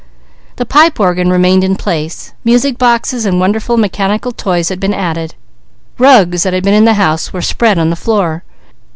The pipe organ remained in place, music boxes and wonderful mechanical toys had been added, rugs that had been in the house were spread on the floor.